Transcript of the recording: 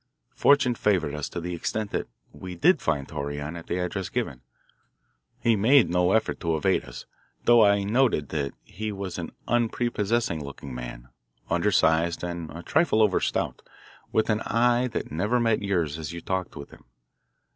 Fortune favoured us to the extent that we did find Torreon at the address given. He made no effort to evade us, though I noted that he was an unprepossessing looking man undersized and a trifle over stout, with an eye that never met yours as you talked with him.